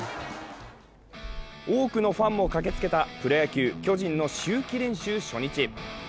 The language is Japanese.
多くのファンも駆けつけたプロ野球、巨人の秋季練習初日。